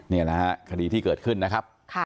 นี่แหละฮะคดีที่เกิดขึ้นนะครับ